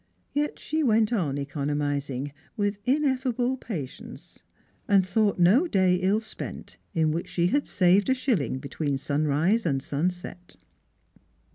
Yet she went on economising with ineffable patience, and thought no day ill spent in which she had saved a shilling between sunrise and sunset.